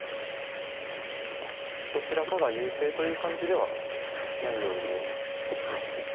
どちらかが優勢という感じではないように見えます。